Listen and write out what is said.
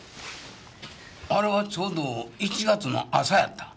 あれはちょうど１月の朝やった。